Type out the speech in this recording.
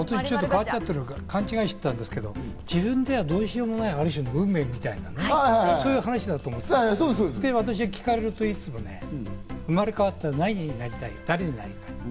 ガチャって勘違いしてたんですけど、自分ではどうしようもないある種、運命みたいな話だと思うんですけど、私は聞かれるといつもね、生まれ変わったら何になりたいか、誰になりたいか。